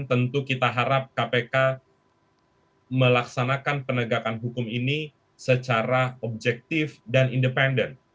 tentu kita harap kpk melaksanakan penegakan hukum ini secara objektif dan independen